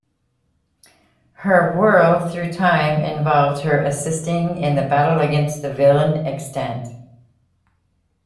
Her whirl through time involved her assisting in the battle against the villain Extant.